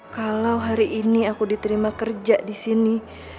kalau hari ini aku diterima kerja disini